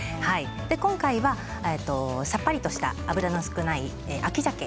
今回はさっぱりとした脂の少ない秋ざけ